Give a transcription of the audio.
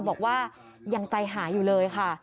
บอกว่ายังใจหายอยู่เลยค่ะ